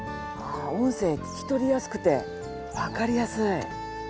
音声聞き取りやすくてわかりやすい。